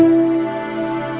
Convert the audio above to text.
ya udah deh